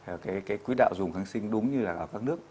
và đưa lại trở về quy đạo dùng kháng sinh đúng như là ở các nước